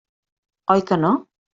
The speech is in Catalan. Oi que no?